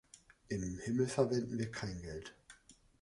Im Himmel verwenden wir kein Geld.